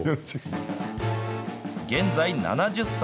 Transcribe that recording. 現在７０歳。